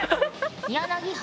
柳原。